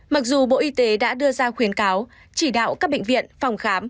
mặc dù bộ y tế đã đưa ra khuyến cáo chỉ đạo các bệnh viện phòng khám